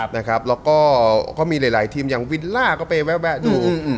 นะครับแล้วก็ก็มีหลายหลายทีมอย่างวิลล่าก็ไปแวะแวะดูอืมอืม